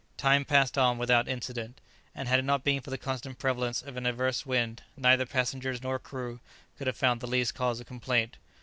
Time passed on without incident; and had it not been for the constant prevalence of an adverse wind, neither passengers nor crew could have found the least cause of complaint.